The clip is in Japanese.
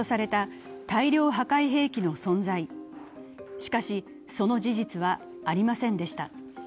しかし、その事実はありませんでした。